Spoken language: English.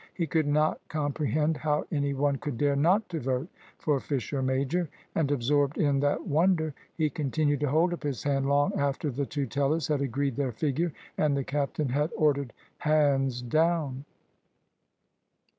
He could not comprehend how any one could dare not to vote for Fisher major; and absorbed in that wonder he continued to hold up his hand long after the two tellers had agreed their figure, and the captain had ordered "hands down."